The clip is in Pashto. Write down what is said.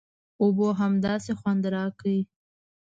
اوبو همداسې خوند راکړ.